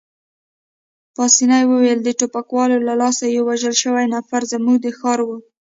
پاسیني وویل: د ټوپکوالو له لاسه یو وژل شوی نفر، زموږ د ښار وو.